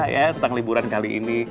ya tentang liburan kali ini